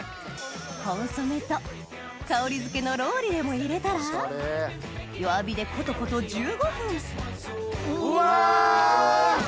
コンソメと香りづけのローリエも入れたら弱火でコトコト１５分うわ！